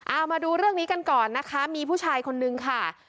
เอามาดูเรื่องนี้กันก่อนนะคะมีผู้ชายคนนึงค่ะ